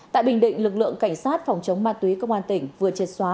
tại bình định lực lượng cảnh sát phòng chống ma túy công an tỉnh vừa triệt xóa